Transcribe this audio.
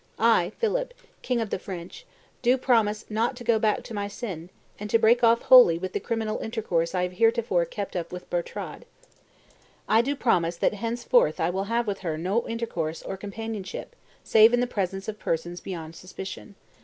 I, Philip, king of the French, do promise not to go back to my sin, and to break off wholly the criminal intercourse I have heretofore kept up with Bertrade. I do promise that henceforth I will have with her no intercourse or companionship, save in the presence of persons beyond suspicion.